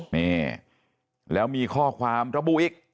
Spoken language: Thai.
นี่แล้วมีข้อความระบุอีก